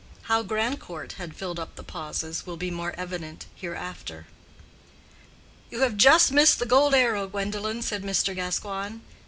How Grandcourt had filled up the pauses will be more evident hereafter. "You have just missed the gold arrow, Gwendolen," said Mr. Gascoigne.